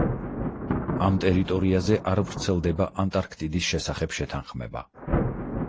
ამ ტერიტორიაზე არ ვრცელდება ანტარქტიდის შესახებ შეთანხმება.